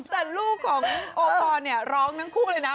แต่ลูกของโอปอลเนี่ยร้องทั้งคู่เลยนะ